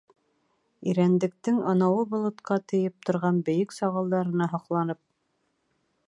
Ирәндектең анауы болотҡа тейеп торған бейек сағылдарына һоҡланып: